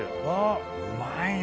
うまいね。